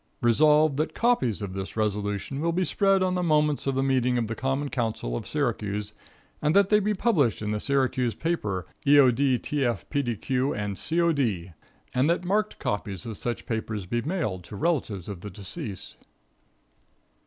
"Resolved, That copies of these resolutions will be spread on the moments of the meeting of the Common Council of Syracuse, and that they be published in the Syracuse papers eodtfpdq&cod, and that marked copies of said papers be mailed to the relatives of the deceased."